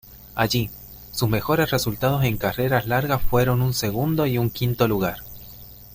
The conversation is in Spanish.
Allí, sus mejores resultados en carreras largas fueron un segundo y un quinto lugar.